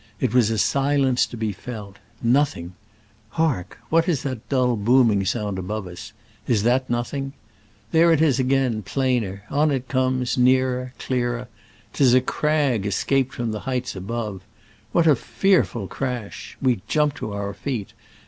It was a silence to be felt. Nothing ! Hark ! what is that dull booming sound above us ? Is that nothing 1 There it is again, plainer : on it comes, nearer, clearer: 'tis a crag escaped from the heights above. What a fearful crash ! We jump to our feet.